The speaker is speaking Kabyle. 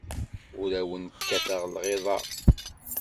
Ur awen-kkateɣ lɣiḍa.